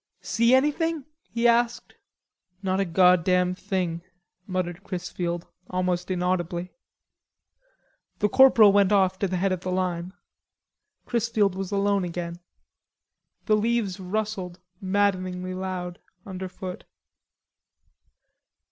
"See anything?" he asked. "Not a goddam thing," muttered Chrisfield almost inaudibly. The corporal went off to the head of the line. Chrisfield was alone again. The leaves rustled maddeningly loud underfoot.